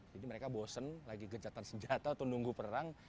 jadi mereka bosen lagi gejatan senjata atau nunggu perang